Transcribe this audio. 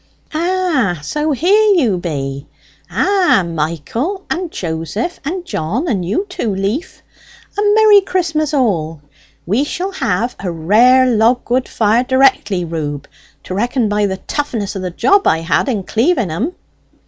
"Ah, so's here you be! Ah, Michael and Joseph and John and you too, Leaf! a merry Christmas all! We shall have a rare log wood fire directly, Reub, to reckon by the toughness of the job I had in cleaving 'em."